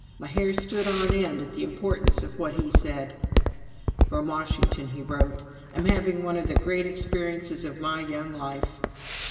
"My hair stood on end at the importance of what he said." From Washington he wrote: "Am having one of the Great Experiences of my young life."